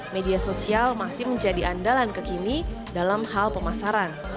media sosial masih menjadi andalan kekini dalam hal pemasaran